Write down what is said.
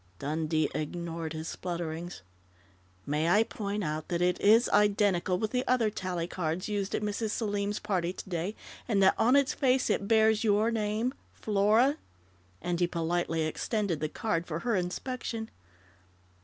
Dundee ignored his splutterings. "May I point out that it is identical with the other tally cards used at Mrs. Selim's party today, and that on its face it bears your name, 'Flora'?" and he politely extended the card for her inspection.